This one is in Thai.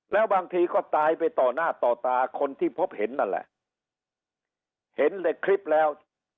แล้วบางทีก็ตายไปต่อหน้าต่อตาคนที่พบเห็นนั่นแหละเห็นในคลิปแล้ว